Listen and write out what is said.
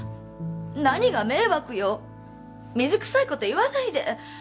何が迷惑よ水くさいこと言わないで！